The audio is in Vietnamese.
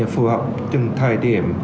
phù hợp trong thời điểm